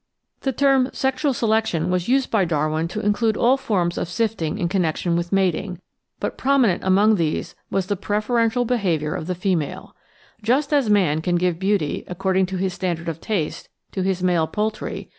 The term "sexual selection" was used by Darwin to include all forms of sifting in connection with mating, but prominent among these was the preferential behaviour of the female. "Just as man can give beauty, according to his standard of taste, to his male poultry